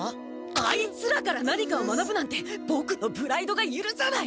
あいつらから何かを学ぶなんてボクのプライドがゆるさない！